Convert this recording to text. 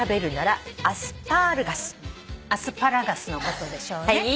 アスパラガスのことでしょうね。